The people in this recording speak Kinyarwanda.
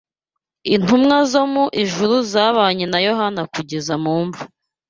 Intumwa zo mu ijuru zabanye na Yohana kugeza mu mva